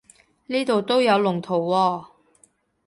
呢度都有龍圖喎